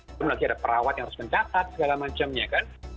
belum lagi ada perawat yang harus mencatat segala macamnya kan